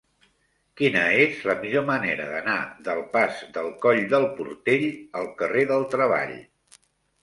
Quina és la millor manera d'anar del pas del Coll del Portell al carrer del Treball?